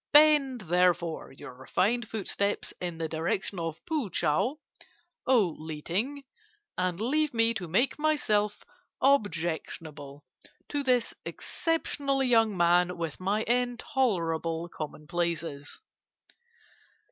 Bend, therefore, your refined footsteps in the direction of Poo Chow, O Li Ting, and leave me to make myself objectionable to this exceptional young man with my intolerable commonplaces.